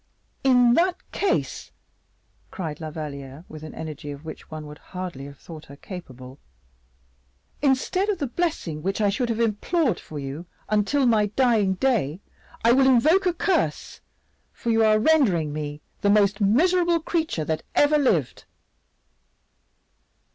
"In that case," cried La Valliere, with an energy of which one would hardly have thought her capable, "instead of the blessing which I should have implored for you until my dying day, I will invoke a curse, for you are rendering me the most miserable creature that ever lived."